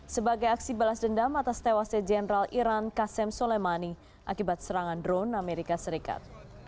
sebagai aksi balas dendam atas tewasnya jenderal iran kasem soleimani akibat serangan drone amerika serikat